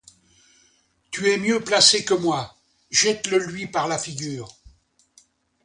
Tu es mieux placé que moi; jette-le-lui par la figure.